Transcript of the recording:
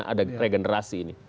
ada regenerasi ini